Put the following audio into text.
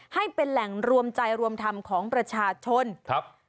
ให้เป็นแหล่งรวมใจรวมธรรมของประชาชนครับ